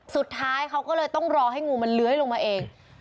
สุดท้ายเขาก็เลยต้องรอให้งูมันเลื้อยลงมาเอง